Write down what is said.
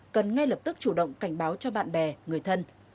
cần ngay lập tức chủ động cảnh báo cho bạn bè người thân